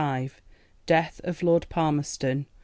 Death of Lord Palmerston.